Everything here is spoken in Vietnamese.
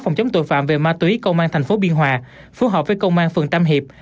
phòng chống tội phạm về ma túy công an tp biên hòa phù hợp với công an phường tam hiệp